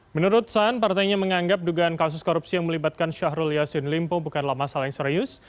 menurut saan partainya menganggap dugaan kasus korupsi yang melibatkan syahrul yassin limpo bukanlah masalah yang serius